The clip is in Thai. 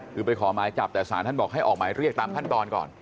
คือไปขอหมายจับแต่สารท่านบอกให้ออกหมายเรียกตามขั้นตอนก่อน